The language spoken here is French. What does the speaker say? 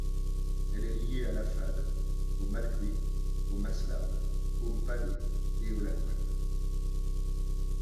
Elle est liée à l'afade, au malgbe, au maslam, au mpade, et au lagwan.